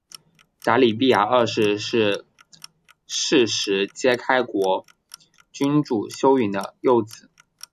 答里必牙二世是是实皆开国君主修云的幼子。